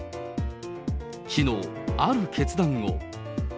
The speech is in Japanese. きのう、ある決断を。